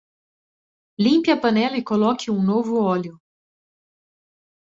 Limpe a panela e coloque um novo óleo.